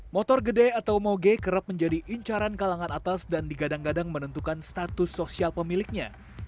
motor gede atau moge kerap menjadi incaran kalangan atas dan digadang gadang menentukan status sosial pemiliknya